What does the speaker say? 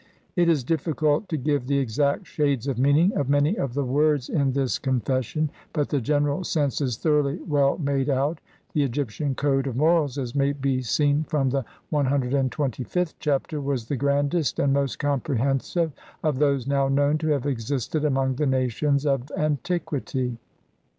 It is difficult to give the exact shades of meaning of many of the words in this Con fession, but the general sense is thoroughly well made out ; the Egyptian code of morals, as may be seen from the CXXVth Chapter, was the grandest and most comprehensive of those now known to have existed among the nations of antiquity.